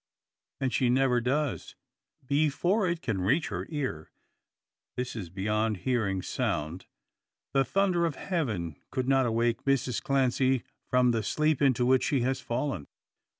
And she never does. Before it can reach her ear, this is beyond hearing sound. The thunder of heaven could not awake Mrs Clancy from the sleep into which she has fallen.